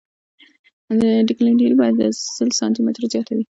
ډکټیلیټي باید له سل سانتي مترو زیاته وي